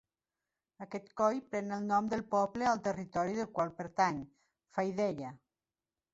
Aquest coll pren el nom del poble al territori del qual pertany, Faidella.